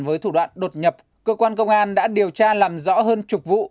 với thủ đoạn đột nhập cơ quan công an đã điều tra làm rõ hơn chục vụ